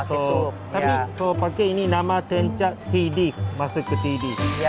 tapi pakai ini nama tencak masih ke t d